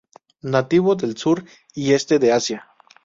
Nativo del sur y este de Asia.